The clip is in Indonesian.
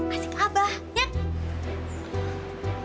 asik abah nyet